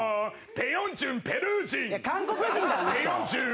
「ペ・ヨンジュンペルー人」